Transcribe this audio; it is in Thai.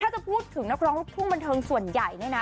ถ้าจะพูดถึงนักร้องลูกทุ่งบันเทิงส่วนใหญ่เนี่ยนะ